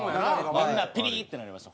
みんなピリッてなりました。